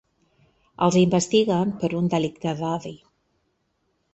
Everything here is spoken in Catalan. Els investiguen per un delicte d’odi.